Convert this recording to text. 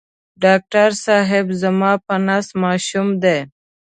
ډاکټر صېب زما په نس ماشوم دی